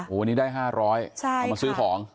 วันนี้ได้๕๐๐เอามาซื้อของ